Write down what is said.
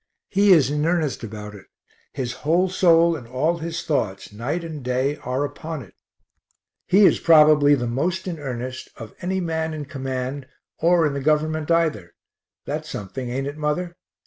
He is in earnest about it; his whole soul and all his thoughts night and day are upon it. He is probably the most in earnest of any man in command or in the Government either that's something, ain't it, mother?